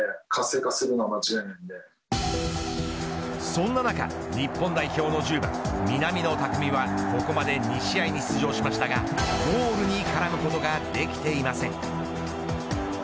そんな中、日本代表の１０番南野拓実は、ここまで２試合に出場しましたがゴールに絡むことができていません。